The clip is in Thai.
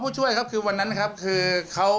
ช่วยครับคือวันนั้นครับคือเขา